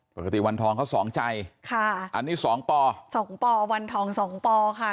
ปกติวันทองเขา๒ใจอันนี้๒ปอ๒ปอวันทอง๒ปอค่ะ